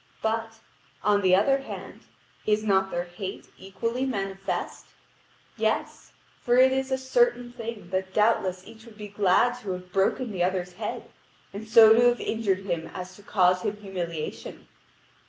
But, on the other hand, is not their hate equally manifest? Yes; for it is a certain thing that doubtless each would be glad to have broken the other's head, and so to have injured him as to cause his humiliation.